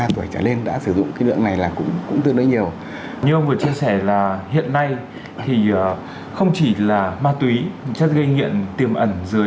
một mươi hai một mươi ba tuổi trở lên đã sử dụng cái lượng này là cũng tương đối nhiều